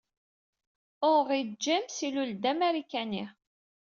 Henry James ilul-d d Amarikani.